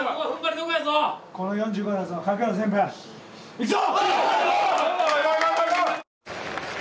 いくぞ！